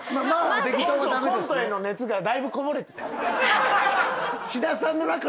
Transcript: コントへの熱がだいぶこぼれてた。